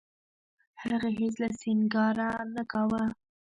هغې هېڅ کله سينګار نه کاوه.